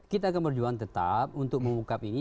kita akan berjuang tetap untuk mengungkap ini